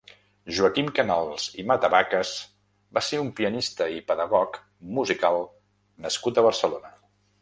Joaquim Canals i Matavacas va ser un pianista i pedagog musical nascut a Barcelona.